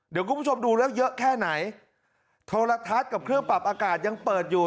เดี๋ยวคุณผู้ชมดูแล้วเยอะแค่ไหนโทรทัศน์กับเครื่องปรับอากาศยังเปิดอยู่